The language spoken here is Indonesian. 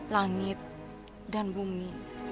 langit dan bumi